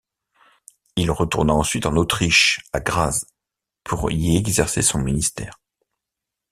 Il retourna ensuite en Autriche, à Graz, pour y exercer son ministère.